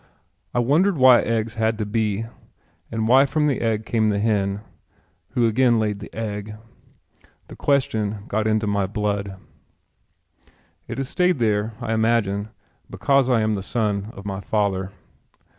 I wondered why eggs had to be and why from the egg came the hen who again laid the egg. The question got into my blood. It has stayed there, I imagine, because I am the son of my father.